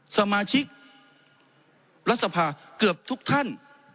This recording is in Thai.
สมาชิกรัฐสภาเกือบทุกท่าน